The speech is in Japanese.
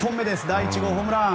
第１号ホームラン。